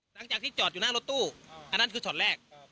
หลังจากที่จอดอยู่หน้ารถตู้อันนั้นคือช็อตแรก